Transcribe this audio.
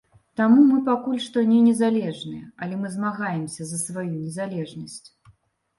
Таму мы пакуль што не незалежныя, але мы змагаемся за сваю незалежнасць.